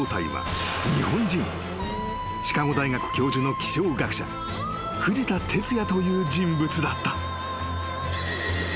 ［シカゴ大学教授の気象学者藤田哲也という人物だった］